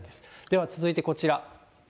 では続いてこちら。